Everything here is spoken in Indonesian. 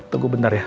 tunggu bentar ya